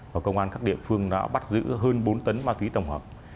và công an các địa phương đã bắt giữ hơn bốn tấn ma túy tổng hợp